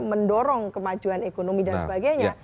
mendorong kemajuan ekonomi dan sebagainya